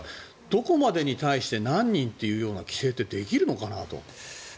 どこまでに対して何人という規制ってできるのかなと。